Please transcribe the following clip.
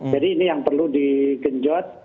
jadi ini yang perlu di genjot